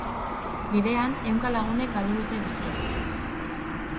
Bidean, ehunka lagunek galdu dute bizia.